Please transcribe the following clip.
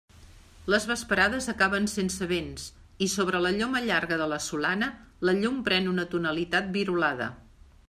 Les vesprades acaben sense vents, i sobre la lloma llarga de la Solana la llum pren una tonalitat virolada.